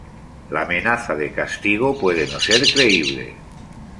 La amenaza de castigo puede no ser creíble.